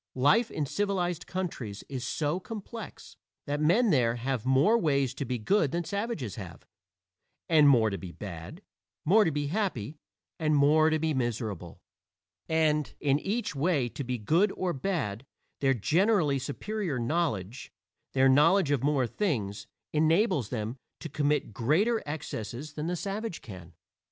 Life in civilized countries is so complex that men there have more ways to be good than savages have, and more to be bad; more to be happy, and more to be miserable. And in each way to be good or bad, their generally superior knowledge their knowledge of more things enables them to commit greater excesses than the savage can.